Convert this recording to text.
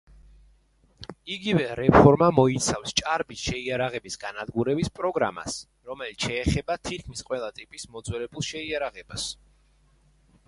იგივე რეფორმა მოიცავს ჭარბი შეიარაღების განადგურების პროგრამას, რომელიც შეეხება თითქმის ყველა ტიპის მოძველებულ შეიარაღებას.